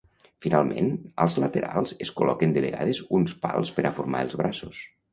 Finalment, als laterals es col·loquen de vegades uns pals per a formar els braços.